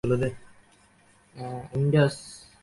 যেন একটা পাওনা শাস্তির অপেক্ষায়।